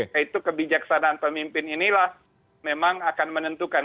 yaitu kebijaksanaan pemimpin inilah memang akan menentukan